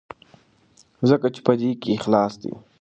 ځکه چې په دې کې اخلاص دی.